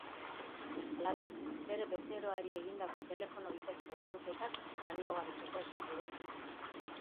Halaber, bere bezeroari egindako telefono bidezako entzunketak baliogabetzeko eskatu du.